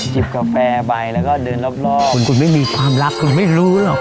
กาแฟไปแล้วก็เดินรอบคุณคุณไม่มีความรักคุณไม่รู้หรอก